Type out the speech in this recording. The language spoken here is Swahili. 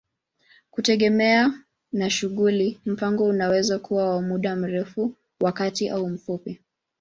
Kutegemea na shughuli, mpango unaweza kuwa wa muda mrefu, wa kati au mfupi.